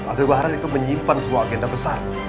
aldebaran itu menyimpan sebuah agenda besar